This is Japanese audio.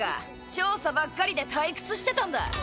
調査ばっかりで退屈してたんだ。